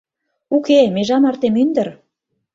«Уке, межа марте мӱндыр.